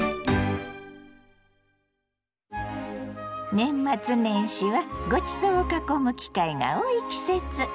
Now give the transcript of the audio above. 年末年始はごちそうを囲む機会が多い季節。